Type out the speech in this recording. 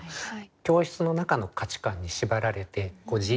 教室の中の価値観に縛られて自由に動けない。